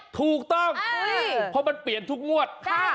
ถูกต้องเพราะมันเปลี่ยนทุกงวด